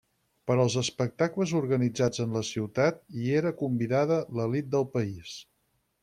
Per als espectacles organitzats en la ciutat hi era convidada l'elit del país.